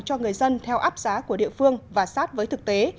cho người dân theo áp giá của địa phương và sát với thực tế